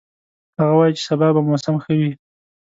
هغه وایي چې سبا به موسم ښه وي